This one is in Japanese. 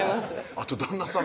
あと旦那さん